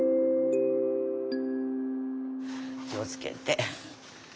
気をつけて。